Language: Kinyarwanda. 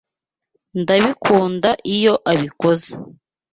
Ndabikunda iyo abikoze.